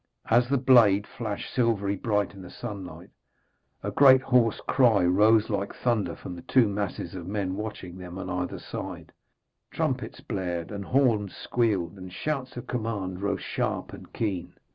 As the blade flashed, silvery bright in the sunlight, a great hoarse cry rose like thunder from the two masses of men watching them on either side; trumpets blared and horns squealed, and shouts of command rose sharp and keen.